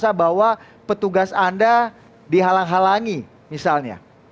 saya tadi ada pengetahuan bahwa petugas anda di halang halangi misalnya